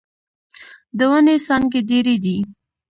د ونې څانګې ډيرې دې.